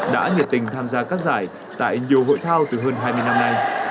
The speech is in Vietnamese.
đã nhiệt tình tham gia các giải tại nhiều hội thao từ hơn hai mươi năm nay